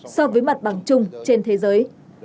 so với mặt bằng chung trên thế giới